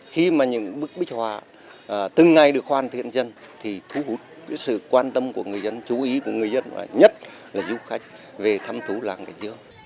khi mà những bức bích hòa từng ngày được hoàn thiện dân thì thu hút sự quan tâm của người dân chú ý của người dân và nhất là du khách về thăm thú làng cảnh dương